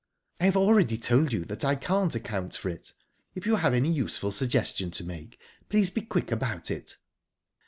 "I have already told you that I can't account for it. If you have any useful suggestion to make, please be quick about it."